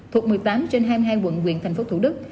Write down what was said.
thuộc một mươi tám trên hai mươi hai quận quyền tp thủ đức